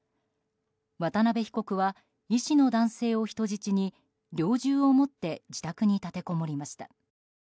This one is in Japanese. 渡辺被告は、医師の男性を人質に猟銃を持って自宅に立てこもりました。